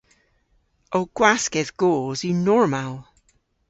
Ow gwaskedh goos yw normal.